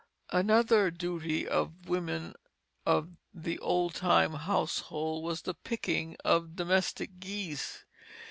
Another duty of the women of the old time household was the picking of domestic geese.